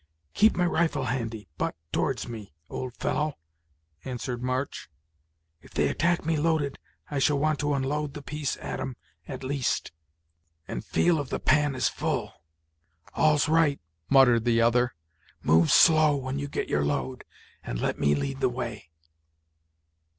"Keep my rifle handy, butt towards me, old fellow," answered March. "If they attack me loaded, I shall want to unload the piece at 'em, at least. And feel if the pan is full." "All's right," muttered the other; "move slow, when you get your load, and let me lead the way."